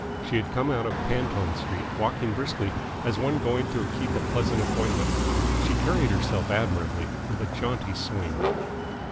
She had come out of Panton Street, walking briskly, as one going to keep a pleasant appointment. She carried herself admirably, with a jaunty swing.